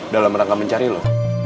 dalam rangka mencari lo